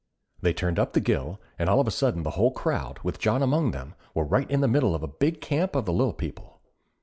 They turned up the gill and all of a sudden the whole crowd, with John among them, were right in the middle of a big camp of the Lil People.